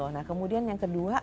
nah kemudian yang kedua